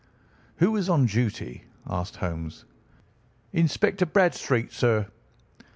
"Who is on duty?" asked Holmes. "Inspector Bradstreet, sir."